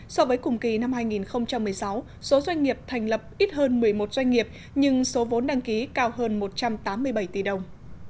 so với cùng kỳ năm hai nghìn một mươi sáu số doanh nghiệp thành lập ít hơn một mươi một doanh nghiệp nhưng số vốn đăng ký cao hơn một trăm tám mươi bảy tỷ đồng